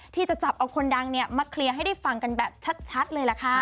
ที่จะจับเอาคนดังมาเคลียร์ให้ได้ฟังกันแบบชัดเลยล่ะค่ะ